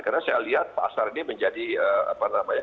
karena saya lihat pasar ini menjadi apa namanya